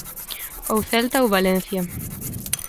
Ou Celta ou Valencia.